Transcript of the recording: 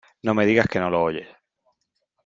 no me digas que no lo oyes .